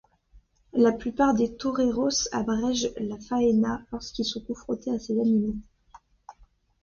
La plupart des toreros abrègent la faena lorsqu'ils sont confrontés à ces animaux.